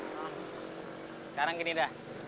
sekarang gini dah